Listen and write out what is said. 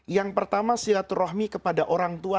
yang pertama silaturahmi kepada orang tua